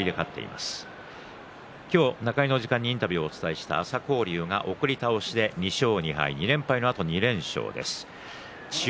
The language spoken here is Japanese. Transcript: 中入りの時間にインタビューをお伝えした朝紅龍が送り倒しで２連敗のあと２連勝です。